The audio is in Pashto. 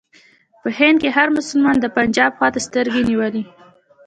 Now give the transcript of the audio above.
په هند کې هر مسلمان د پنجاب خواته سترګې نیولې.